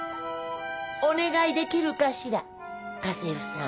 お願いできるかしら家政婦さん。